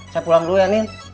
saya pulang dulu ya nih